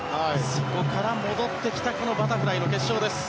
そこから戻ってきたこのバタフライの決勝です。